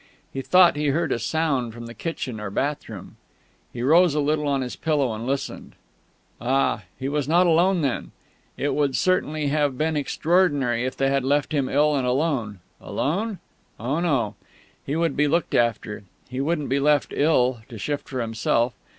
He thought he heard a sound from the kitchen or bathroom. He rose a little on his pillow, and listened.... Ah! He was not alone, then! It certainly would have been extraordinary if they had left him ill and alone Alone? Oh no. He would be looked after. He wouldn't be left, ill, to shift for himself.